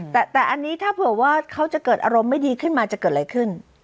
แต่อันนี้ถ้าเผื่อว่าเขาจะเกิดอารมณ์ไม่ดีขึ้นมาจะเกิดอะไรขึ้น